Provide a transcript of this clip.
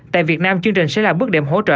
tại việt nam chương trình sẽ là bước đệm hỗ trợ